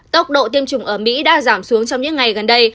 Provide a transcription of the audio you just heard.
tốc độ tiêm chủng ở mỹ đã giảm xuống trong những ngày gần đây